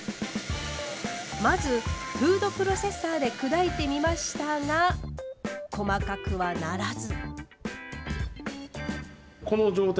まずフードプロセッサーで砕いてみましたが細かくはならず。